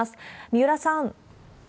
三浦さん。